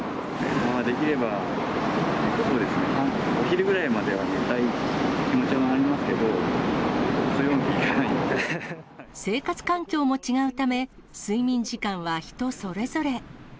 できれば、そうですね、お昼ぐらいまでは寝たい気持ちはありますけど、生活環境も違うため、睡眠時間は人それぞれ。